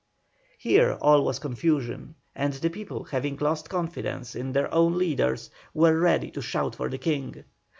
Here all was confusion; and the people having lost confidence in their own leaders were ready to shout for the King.